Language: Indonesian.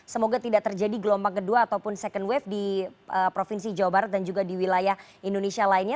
semoga tidak terjadi gelombang kedua ataupun second wave di provinsi jawa barat dan juga di wilayah indonesia lainnya